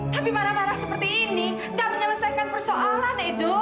tapi marah marah seperti ini gak menyelesaikan persoalan edo